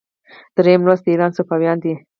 دریم لوست د ایران صفویان دي.